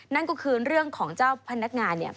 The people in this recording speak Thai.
นั่นก็คือเรื่องของเจ้าพนักงานเนี่ย